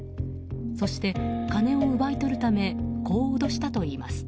そして、金を奪い取るためこう脅したといいます。